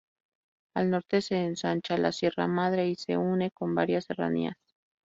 Al norte se ensancha la Sierra Madre y se une con varias serranías.